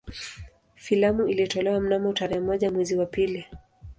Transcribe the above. Filamu ilitolewa mnamo tarehe moja mwezi wa pili